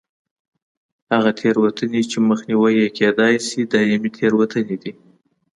هغه تېروتنې چې مخنیوی یې کېدای شي دایمي تېروتنې دي.